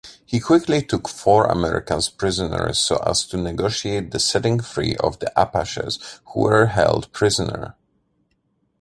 He quickly took four Americans prisoner so as to negotiate the setting free of the Apaches who were held prisoner.